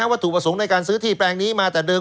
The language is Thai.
วัตถุประสงค์ในการซื้อที่แปลงนี้มาแต่เดิม